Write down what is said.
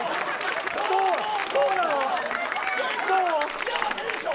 幸せでしょ？